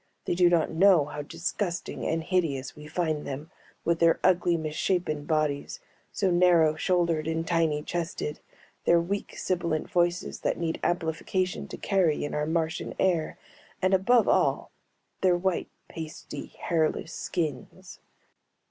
They do not know how disgusting and hideous we find them, with their ugly misshapen bodies, so narrow shouldered and tiny chested, their weak sibilant voices that need amplification to carry in our Martian air, and above all their white pasty hairless skins.